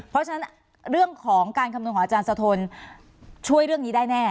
เพราะฉะนั้นเรื่องของการคำนวณของอาจารย์สะทนช่วยเรื่องนี้ได้แน่